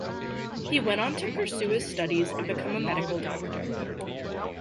He went on to pursue his studies and become a medical doctor.